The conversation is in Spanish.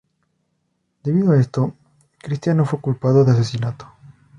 Debido a esto, Christian no fue culpado de asesinato.